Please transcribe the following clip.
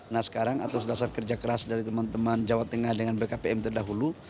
nah sekarang atas dasar kerja keras dari teman teman jawa tengah dengan bkpm terdahulu